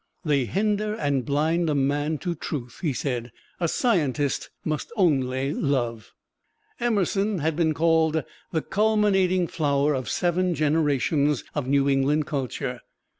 "They hinder and blind a man to truth," he said "a scientist must only love." Emerson has been called the culminating flower of seven generations of New England culture.